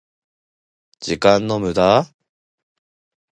時間の無駄？